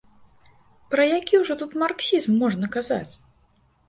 Пра які ўжо тут марксізм можна казаць?!